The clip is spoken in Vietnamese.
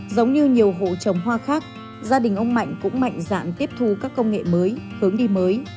giống như nhiều hộ trồng hoa khác gia đình ông mạnh cũng mạnh dạn tiếp thu các công nghệ mới hướng đi mới